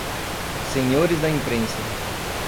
Senhores da Imprensa!